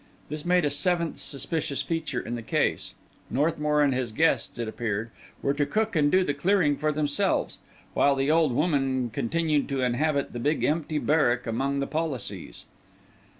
This made a seventh suspicious feature in the case—Northmour and his guests, it appeared, were to cook and do the cleaning for themselves, while the old woman continued to inhabit the big empty barrack among the policies.